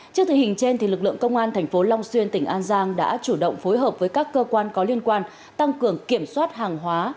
trước thời hình trên lực lượng công an tp long xuyên tỉnh an giang đã chủ động phối hợp với các cơ quan có liên quan tăng cường kiểm soát hàng hóa